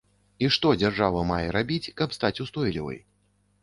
І што дзяржава мае рабіць, каб стаць устойлівай?